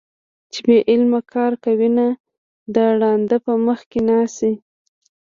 چې بې علمه کار کوينه - د ړانده په مخ کې ناڅي